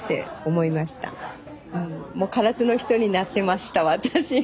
もう唐津の人になってました私。